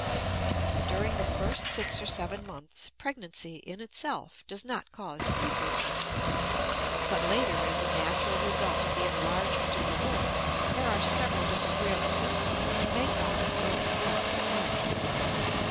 During the first six or seven months, pregnancy, in itself, does not cause sleeplessness, but later, as a natural result of the enlargement of the womb, there are several disagreeable symptoms which may cause broken rest at night.